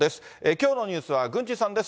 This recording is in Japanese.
きょうのニュースは郡司さんです。